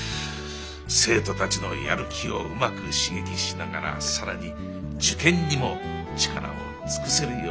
生徒たちのやる気をうまく刺激しながら更に受験にも力を尽くせるようになれればと。